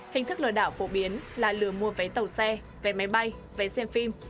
hình thức lừa đảo phổ biến là lừa mua vé tàu xe vé máy bay vé xem phim